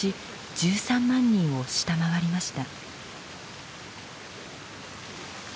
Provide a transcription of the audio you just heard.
１３万人を下回りました。